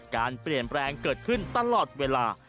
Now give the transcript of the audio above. การเปลี่ยนแปลงเกิดขึ้นตลอดเวลา